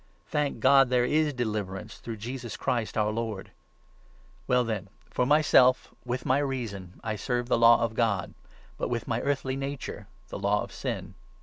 Thank God, 25 there is deliverance through Jesus Christ, our Lord ! Well then, for myself, with my reason I serve the Law of God, but with my earthly nature the Law of Sin.